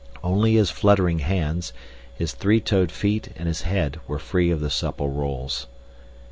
Only his fluttering hands, his three toed feet and his head were free of the supple rolls.